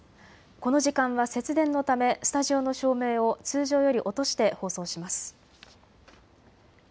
この時間は節電のためスタジオの照明を通常より落として放送します。